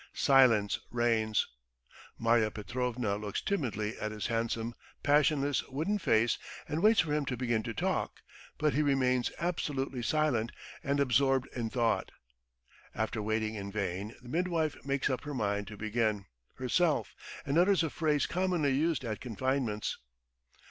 Silence reigns. Marya Petrovna looks timidly at his handsome, passionless, wooden face and waits for him to begin to talk, but he remains absolutely silent and absorbed in thought. After waiting in vain, the midwife makes up her mind to begin herself, and utters a phrase commonly used at confinements.